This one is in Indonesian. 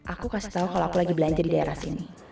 aku kasih tahu kalau aku lagi belanja di daerah sini